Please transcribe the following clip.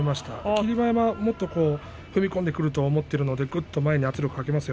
霧馬山、もっと踏み込んでくると思っているので圧力を前にかけます。